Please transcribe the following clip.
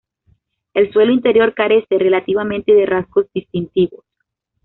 El suelo interior carece relativamente de rasgos distintivos.